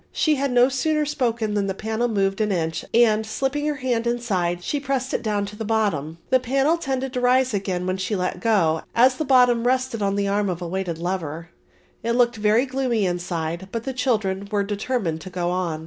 She had no sooner spoken than the panel moved an inch and, slipping her hand inside, she pressed it down to the bottom. The panel tended to rise again when she let go, as the bottom rested on the arm of a weighted lever. It looked very gloomy inside but the children were determined to go on.